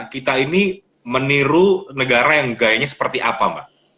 kita ini meniru negara yang gayanya seperti apa mbak